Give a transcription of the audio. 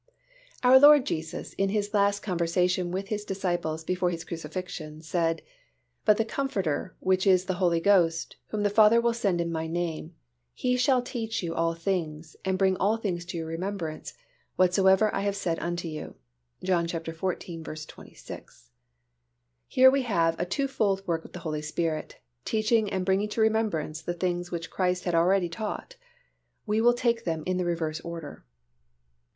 Our Lord Jesus in His last conversation with His disciples before His crucifixion said, "But the Comforter which is the Holy Ghost, whom the Father will send in My name, He shall teach you all things, and bring all things to your remembrance, whatsoever I have said unto you" (John xiv. 26). Here we have a twofold work of the Holy Spirit, teaching and bringing to remembrance the things which Christ had already taught. We will take them in the reverse order.